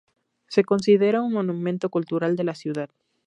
Se considera un monumento cultural de la ciudad.